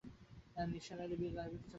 নিসার আলি লাইব্রেরিতে চলে গেলেন।